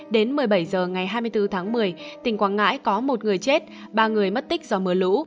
đến một mươi bảy h ngày hai mươi bốn tháng một mươi tỉnh quảng ngãi có một người chết ba người mất tích do mưa lũ